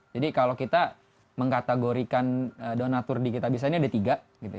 jadi kalau kita mengkategorikan donatur di kitabisa ini ada tiga